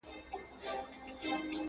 ما یې لمن کي اولسونه غوښتل!.